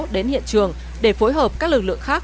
đến hiện trường để phối hợp các lực lượng khác